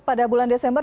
pada bulan desember